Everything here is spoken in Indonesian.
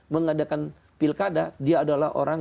mengadakan pilkada dia adalah orang